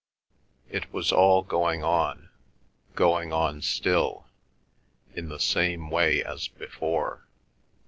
It was all going on—going on still, in the same way as before.